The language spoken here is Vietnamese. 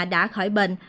đã khỏi bệnh